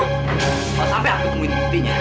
sampai aku temuin buktinya